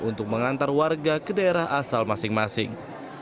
untuk mengantar warga ke daerah asal masing masing